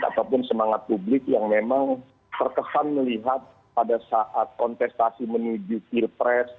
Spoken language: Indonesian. ataupun semangat publik yang memang terkesan melihat pada saat kontestasi menuju pilpres